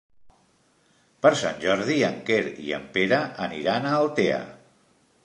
Per Sant Jordi en Quer i en Pere aniran a Altea.